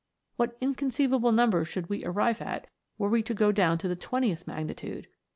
What inconceivable numbers should we arrive at, were we to go down to the twentieth magnitude